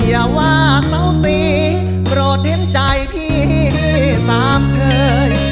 อย่าวากเราสิโปรดดิ้นใจพี่สามเชย